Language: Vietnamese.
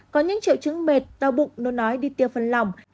có những triệu chứng mệt đau bụng nôn nói đi tiêu phân lỏng